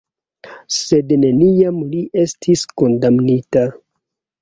Sed neniam li estis kondamnita.